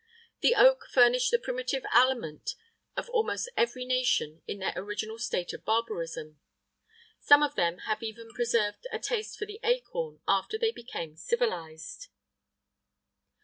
The oak furnished the primitive aliment of almost every nation, in their original state of barbarism. Some of them had even preserved a taste for the acorn after they became civilized.